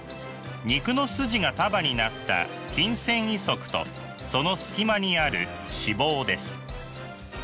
肉の筋が束になった筋繊維束とその隙間にある脂肪です。